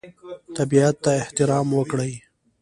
طبیعت ته احترام وکړئ.